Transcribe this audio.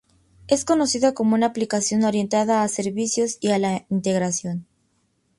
Es conocida como una aplicación orientada a servicios y a la integración.